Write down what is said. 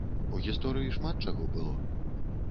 У гісторыі шмат чаго было.